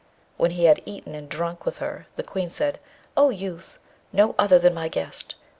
When he had eaten and drunk with her, the Queen said, 'O youth, no other than my guest!